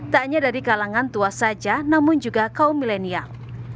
tak hanya dari kalangan tua saja namun juga kaum milenial